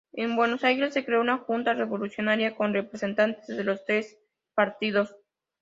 En Buenos Aires se creó una "Junta Revolucionaria" con representantes de los tres partidos.